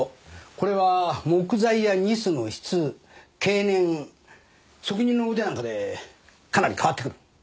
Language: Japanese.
これは木材やニスの質経年職人の腕なんかでかなり変わってくる。